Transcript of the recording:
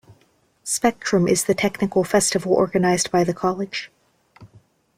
Spectrum is the technical festival organized by the college.